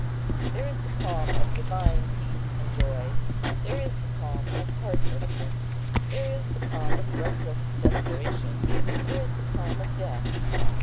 There is the calm of divine peace and joy; there is the calm of heartlessness; there is the calm of reckless desperation; there is the calm of death.